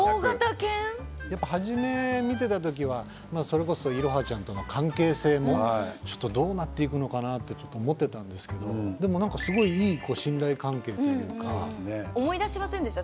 やっぱ初め見てた時はそれこそ彩羽ちゃんとの関係性もちょっとどうなっていくのかなって思ってたんですけどでも何か思い出しませんでした？